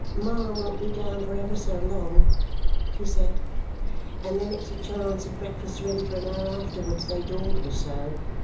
"Ma won't be down for ever so long," she said, "and then it's a chance if breakfast's ready for an hour afterwards, they dawdle so.